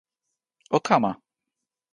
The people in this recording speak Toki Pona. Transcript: o kama!